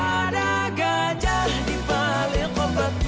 ada gajah di palil kompat itu